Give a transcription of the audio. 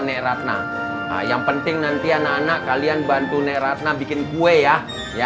nek ratna yang penting nanti anak anak kalian bantu nek ratna bikin kue ya